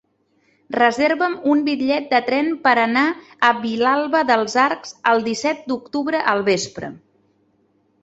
Reserva'm un bitllet de tren per anar a Vilalba dels Arcs el disset d'octubre al vespre.